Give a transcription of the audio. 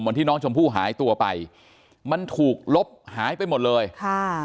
วันที่น้องชมพู่หายตัวไปมันถูกลบหายไปหมดเลยค่ะ